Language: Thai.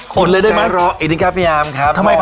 กินเลยได้ไหมรออีกนิดนึงครับพี่ยามครับทำไมครับ